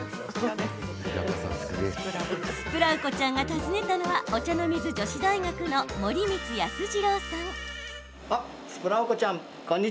スプラウ子ちゃんが訪ねたのはお茶の水女子大学の森光康次郎さん。